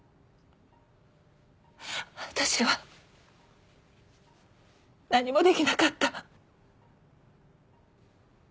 私は何もできなかった。